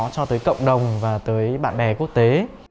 cho tới cộng đồng và tới bạn bè quốc tế